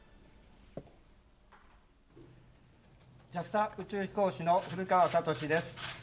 ＪＡＸＡ宇宙飛行士の古川聡です。